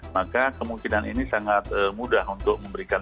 maka kemungkinan ini sangat mudah untuk memberikan